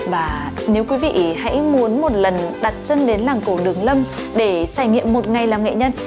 và nếu quý vị hãy muốn một lần đặt chân đến làng cổ đường lâm để trải nghiệm một ngày làm nghệ nhân